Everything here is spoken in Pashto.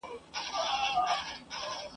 له هر مذهب له هر پیمانه ګوښه ..